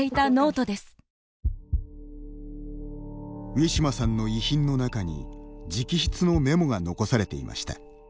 ウィシュマさんの遺品の中に直筆のメモが残されていました。